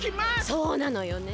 そうなのよね。